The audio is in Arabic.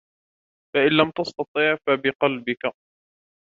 فَإِنْ لَمْ تَسْتَطِعْ فَبِقَلْبِك